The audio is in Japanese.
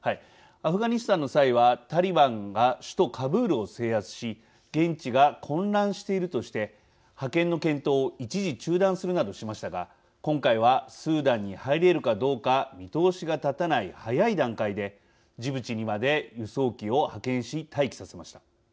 アフガニスタンの際はタリバンが首都カブールを制圧し現地が混乱しているとして派遣の検討を一時中断するなどしましたが今回はスーダンに入れるかどうか見通しが立たない早い段階でジブチにまで輸送機を派遣し待機させました。